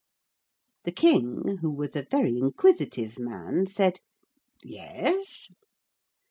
The King, who was a very inquisitive man, said 'Yes.'